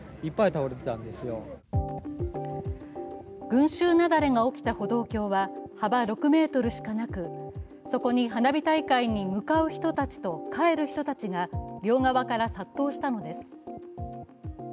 群集雪崩が起きた歩道橋は幅６ｍしかなくそこに花火大会に向かう人たちと帰る人たちが両側から殺到したのです。